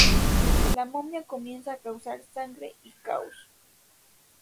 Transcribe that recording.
La momia comienza a causar sangre y caos.